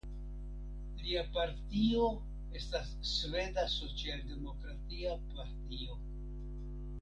Lia partio estas Sveda socialdemokratia partio.